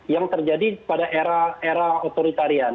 yang terjadi pada era era otoritarian